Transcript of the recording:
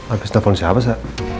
abis telfon siapa sa